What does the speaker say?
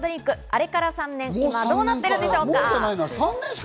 あれから３年、今、どうなってるんでしょうか？